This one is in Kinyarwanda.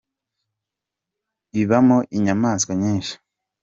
ibamo inyamaswa nyinshi.